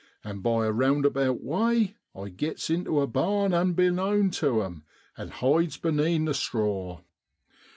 And by a roundabout way I gits intu a barn unbeknown tu 'em, and hides benean the straw.